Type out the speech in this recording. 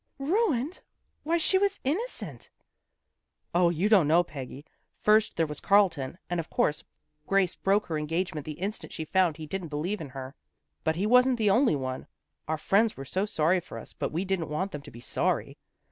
" Ruined! Why she was innocent." " O, you don't know, Peggy. First there was Carlton, and, of course, Grace broke her engagement the instant she found he didn't believe in her. But he wasn't the only one. Our friends were so sorry for us, but we didn't want them to be sorry.